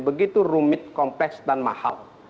begitu rumit kompleks dan mahal